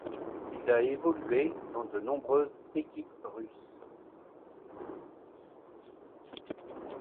Il a évolué dans de nombreuses équipes russes.